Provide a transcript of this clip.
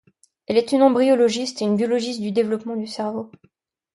Elle est une embryologiste et une biologiste du développement du cerveau.